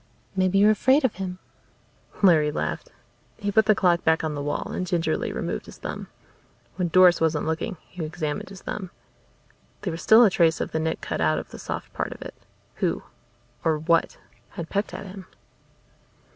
"Maybe you're afraid of him." Larry laughed. He put the clock back on the wall and gingerly removed his thumb. When Doris wasn't looking he examined his thumb. There was still a trace of the nick cut out of the soft part of it. Who or what had pecked at him?